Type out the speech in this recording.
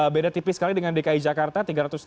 beda tipis sekali dengan dki jakarta tiga ratus tiga belas